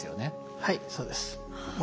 はいそうです。